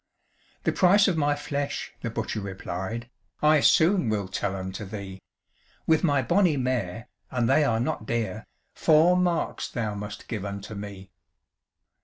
"The price of my flesh," the butcher replied, "I soon will tell unto thee; With my bonny mare, and they are not dear, Four marks thou must give unto me."